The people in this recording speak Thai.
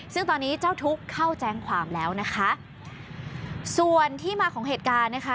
ซึ่งตอนนี้เจ้าทุกข์เข้าแจ้งความแล้วนะคะส่วนที่มาของเหตุการณ์นะคะ